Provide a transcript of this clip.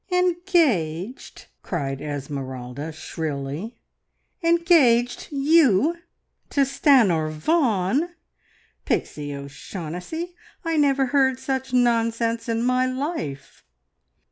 "Engaged!" cried Esmeralda shrilly. "Engaged! You! To Stanor Vaughan? Pixie O'Shaughnessy, I never heard such nonsense in my life."